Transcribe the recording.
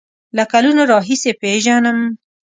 له کلونو راهیسې پیژنم.